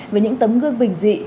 với những tấm gương bình dị